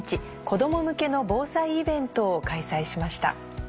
子供向けの防災イベントを開催しました。